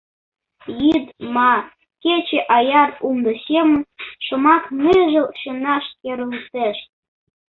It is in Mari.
Йӱд ма, кече — аяр умдо семын Шомак Ныжыл шӱмнаш керылтеш…